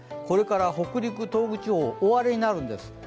これから北陸、東北地方、大荒れになるんです。